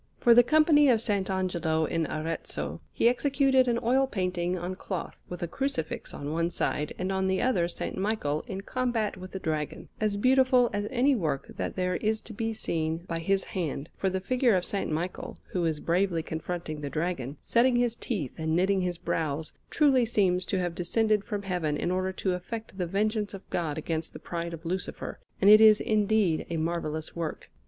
For the Company of S. Angelo in Arezzo he executed an oil painting on cloth, with a Crucifix on one side, and on the other S. Michael in combat with the Dragon, as beautiful as any work that there is to be seen by his hand; for the figure of S. Michael, who is bravely confronting the Dragon, setting his teeth and knitting his brows, truly seems to have descended from Heaven in order to effect the vengeance of God against the pride of Lucifer, and it is indeed a marvellous work.